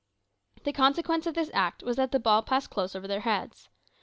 The consequence of this act was that the ball passed close over their heads.